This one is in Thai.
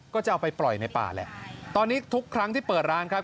ก็จะเอาไปปล่อยในป่าแหละตอนนี้ทุกครั้งที่เปิดร้านครับ